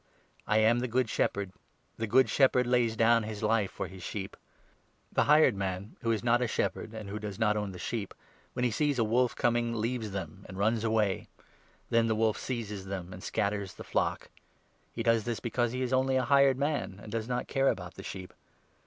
I am the Good Shepherd. The Good Shepherd lays down his life for his sheep. The hired man who is not a shepherd, and who does not own the sheep, when he sees a wolf coming, leaves them and runs away ; then the wolf seizes them, and scatters the flock. He does this because he is only a hired man and does not care about the sheep.